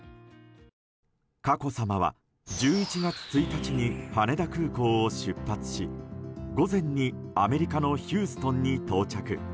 佳子さまは１１月１日に羽田空港を出発し午前に、アメリカのヒューストンに到着。